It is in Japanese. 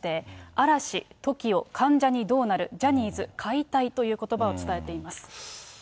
嵐、ＴＯＫＩＯ、関ジャニどうなる、ジャニーズ解体ということばを伝えています。